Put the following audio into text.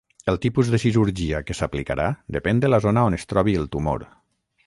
El tipus de cirurgia que s'aplicarà depèn de la zona on es trobi el tumor.